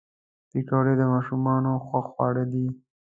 پکورې د ماشومانو خوښ خواړه دي